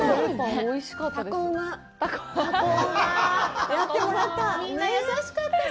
おいしかったです。